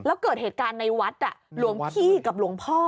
แล้วเกิดเหตุการณ์ในวัดหลวงพี่กับหลวงพ่อ